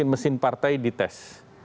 yaitu mesin mesin partai dites